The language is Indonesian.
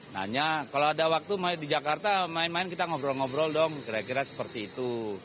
nanya kalau ada waktu di jakarta main main kita ngobrol ngobrol dong kira kira seperti itu